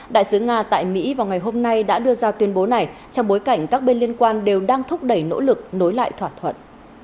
đại sứ nga tại mỹ vào ngày hôm nay đã đưa ra tuyên bố này trong bối cảnh các bên liên quan đều đang thúc đẩy nỗ lực nối lại thỏa thuận